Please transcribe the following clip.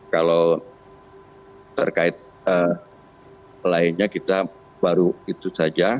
kalau terkait lainnya kita baru itu saja